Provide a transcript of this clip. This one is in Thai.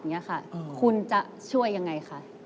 อย่างนี้ค่ะคุณจะช่วยยังไงคะ